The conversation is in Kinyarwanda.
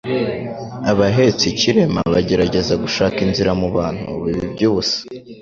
Abahetse ikirema bagerageza gushaka inzira mu bantu biba iby'ubusa.